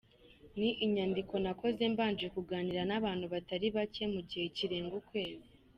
Ni inyandiko nakoze mbanje kuganira n’abantu batari bake mu gihe kirenga ukwezi.